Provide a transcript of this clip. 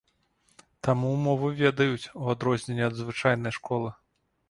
Там мову ведаюць, у адрозненне ад звычайнай школы.